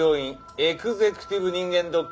エグゼクティブ人間ドック？